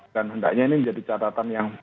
dan hendaknya ini menjadi catatan yang